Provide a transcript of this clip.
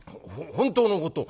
本当のことを。